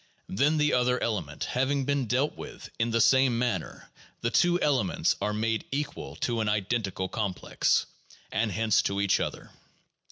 Then, the other ele ment having been dealt with in the same manner, the two elements are made equal to an identical complex, and hence to each other.